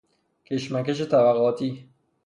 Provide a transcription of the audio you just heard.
کشمکش طبقاتی